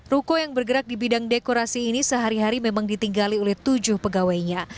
ruko yang bergerak di bidang dekorasi ini sehari hari memang ditinggali oleh tujuh pegawainya